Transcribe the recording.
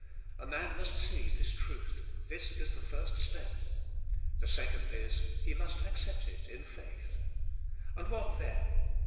A man must see this truth ; this is the first step. The second is — he must accept it in faith. And what then?